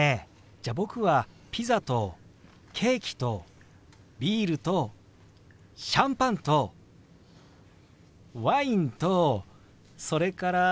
じゃあ僕はピザとケーキとビールとシャンパンとワインとそれから。